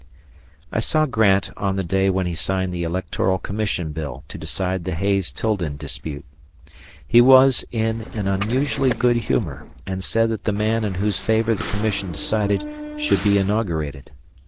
I saw Grant on the day when he signed the Electoral Commission Bill to decide the Hayes Tilden dispute. He was in an unusually good humor, and said that the man in whose favor the commission decided should be inaugurated.